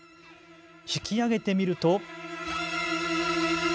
引き上げてみると。